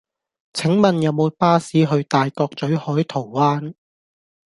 請問有無巴士去大角嘴海桃灣